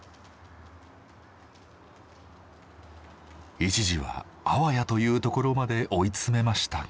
一時はあわやというところまで追い詰めましたが。